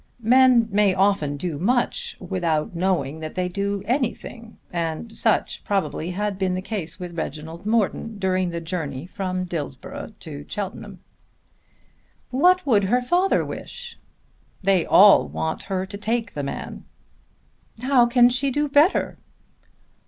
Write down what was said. Men may often do much without knowing that they do anything, and such probably had been the case with Reginald Morton during the journey from Dillsborough to Cheltenham. "What would her father wish?" "They all want her to take the man." "How can she do better?"